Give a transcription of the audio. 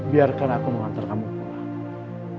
biarkan aku mengantar kamu pulang